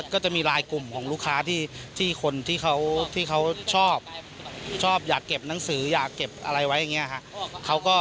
ก็จะมีลายกลุ่มของลูกค้าที่คนที่เขาชอบชอบอยากเก็บหนังสืออยากเก็บอะไรไว้อย่างนี้ครับ